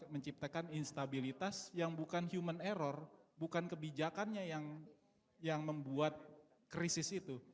menciptakan instabilitas yang bukan human error bukan kebijakannya yang membuat krisis itu